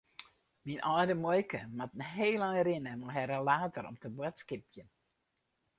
Myn âlde muoike moat in heel ein rinne mei har rollator om te boadskipjen.